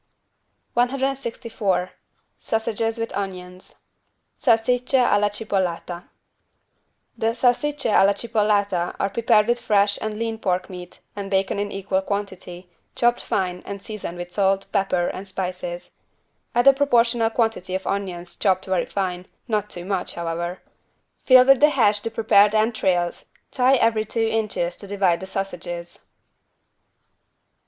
164 SAUSAGES WITH ONIONS (Salsicce alla cipollata) The =salsicce alla cipollata= are prepared with fresh and lean pork meat and bacon in equal quantity, chopped fine and seasoned with salt, pepper and spices. Add a proportional quantity of onions chopped very fine, not too much, however. Fill with the hash the prepared entrails, tie every two inches to divide the sausages.